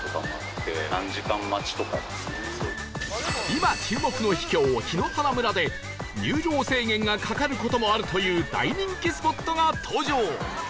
今注目の秘境檜原村で入場制限がかかる事もあるという大人気スポットが登場